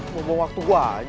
buang buang waktu gue aja